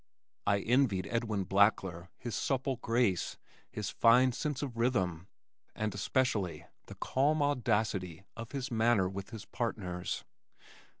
I envied Edwin Blackler his supple grace, his fine sense of rhythm, and especially the calm audacity of his manner with his partners.